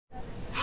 あ！